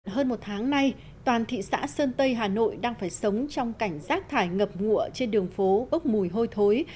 hơn một tháng nay toàn thị xã sơn tây hà nội đang phải sống trong cảnh rác thải ngập ngụa trên đường phố bốc mùi hôi thối